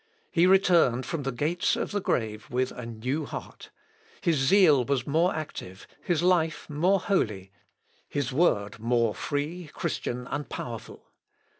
He returned from the gates of the grave with a new heart. His zeal was more active, his life more holy, his word more free, Christian, and powerful.